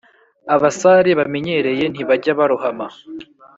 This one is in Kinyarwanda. abasare bamenyereye ntibajya barohama